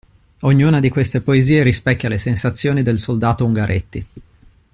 Ognuna di queste poesie rispecchia le sensazioni del soldato Ungaretti.